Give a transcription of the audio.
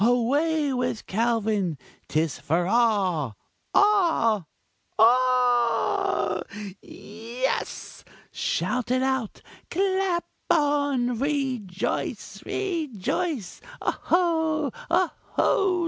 away with Calvin! 'tis for all! all! ALL! Yes! shout it out! clap on! rejoice! rejoice! oho oho!